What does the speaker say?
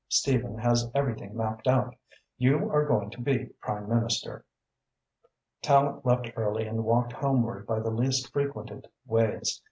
Stephen has everything mapped out. You are going to be Prime Minister." Tallente left early and walked homeward by the least frequented ways.